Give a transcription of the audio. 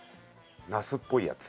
ナスっぽいやつ。